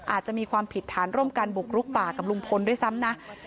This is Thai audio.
อาจจะมีความผิดฐานร่วมกันบุกรุกป่ากับลุงพลด้วยซ้ำนะ